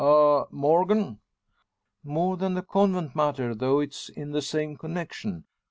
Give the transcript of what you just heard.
ah! Morgan." "More than the convent matter; though it's in the same connection.